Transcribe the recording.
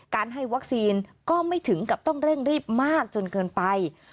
ให้วัคซีนก็ไม่ถึงกับต้องเร่งรีบมากจนเกินไป